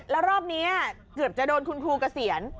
แล้วรอบนี้เกือบจะโดนคุณครูเกษียณ